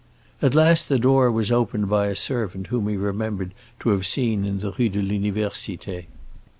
At last the door was opened by a servant whom he remembered to have seen in the Rue de l'Université.